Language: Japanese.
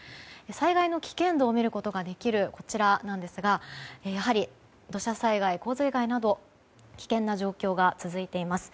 災害の危険度を見ることができるこちらですがやはり土砂災害、洪水害など危険な状況が続いています。